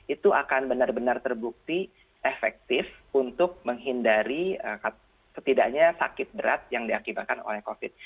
itu akan benar benar terbukti efektif untuk menghindari setidaknya sakit berat yang diakibatkan oleh covid